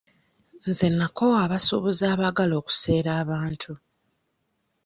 Nze nnakoowa abasuubuzi abaagala okuseera abantu.